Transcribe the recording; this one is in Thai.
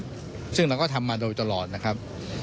ก็จะถือว่าเป็นตัวอย่างก็ได้นะครับ